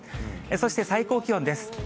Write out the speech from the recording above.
そして最高気温です。